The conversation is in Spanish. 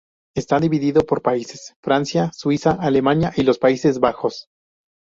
Está dividido por países: Francia, Suiza, Alemania y los Países Bajos.